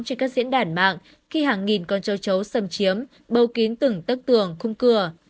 trên các diễn đàn mạng khi hàng nghìn con châu chấu xâm chiếm bâu kín từng tất tường khung cửa